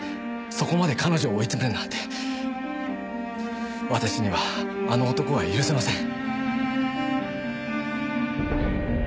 そこまで彼女を追い詰めるなんて私にはあの男が許せません。